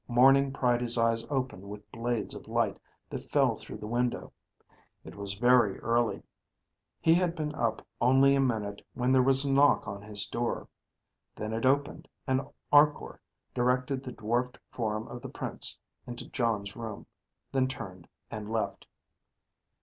Morning pried his eyes open with blades of light that fell through the window. It was very early. He had been up only a minute when there was a knock on his door. Then it opened, and Arkor directed the dwarfed form of the Prince into Jon's room, then turned and left.